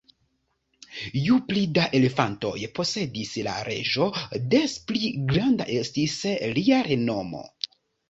Ju pli da elefantoj posedis la reĝo, des pli granda estis lia renomo.